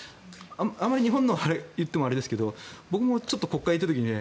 あまり日本のを言ってもあれですけど僕も国会にちょっといた時にね